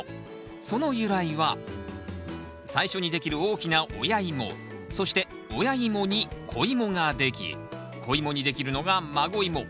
その由来は最初にできる大きな親イモそして親イモに子イモができ子イモにできるのが孫イモ。